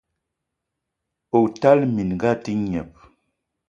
O tala minga a te gneb!